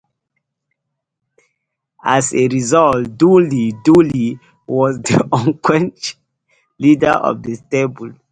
As a result, Dudley Dudley was the unquestioned leader of the stable.